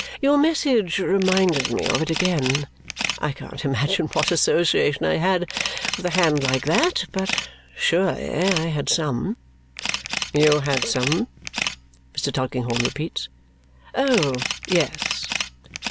Your message reminded me of it again. I can't imagine what association I had with a hand like that, but I surely had some." "You had some?" Mr. Tulkinghorn repeats. "Oh, yes!"